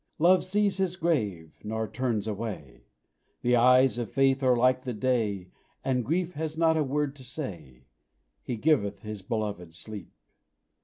Love sees his grave, nor turns away The eyes of faith are like the day, And grief has not a word to say "He giveth His beloved sleep."